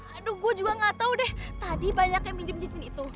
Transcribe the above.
aduh gue juga gak tau deh tadi banyak yang minjem cincin itu